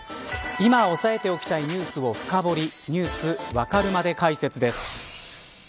今押さえておきたいニュースを深掘りニュースわかるまで解説です。